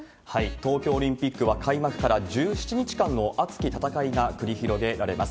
東京オリンピックは、開幕から１７日間の熱き戦いが繰り広げられます。